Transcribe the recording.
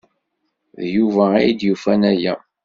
D Yuba ay d-yufan aya.